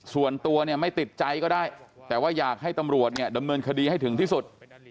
ส่วนตัวเนี่ยไม่ติดใจก็ได้แต่ว่าอยากให้ตำรวจเนี่ยดำเนินคดีให้ถึงที่สุด